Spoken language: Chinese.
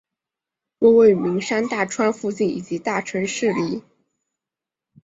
多位于名山大川附近以及大城市里。